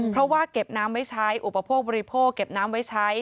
เพราะว่าเก็บน้ำไว้ใช้อุปโภคบริโภคเก็บน้ำไว้ใช้